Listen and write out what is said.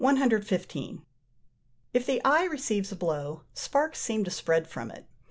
If the eye receives a blow, sparks seem to spread from it.